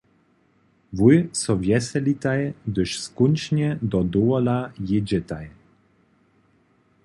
Wój so wjeselitaj, hdyž skónčnje do dowola jědźetaj.